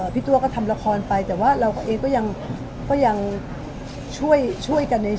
ตัวก็ทำละครไปแต่ว่าเราเองก็ยังช่วยกันใน